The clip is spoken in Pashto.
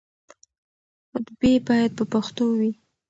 خطبې بايد په پښتو وي.